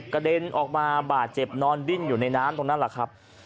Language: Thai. เด็นออกมาบาดเจ็บนอนดิ้นอยู่ในน้ำตรงนั้นแหละครับ